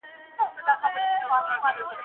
او چي روږد سي د بادار په نعمتونو !.